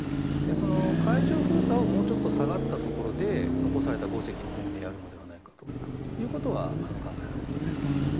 その海上封鎖をもうちょっと下がったところで残された５隻の船でやるのではないかということは考えられると思います。